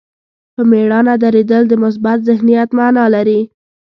په مېړانه درېدل د مثبت ذهنیت معنا لري.